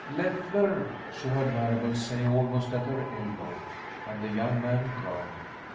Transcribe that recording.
"Leffler!" she heard Marable say, almost at her elbow, and the young man groaned.